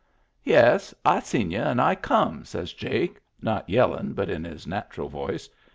" Yes, I seen y'u and I come," says Jake, not yellin*, but in his nat'ral voice.